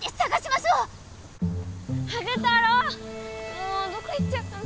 もうどこ行っちゃったの。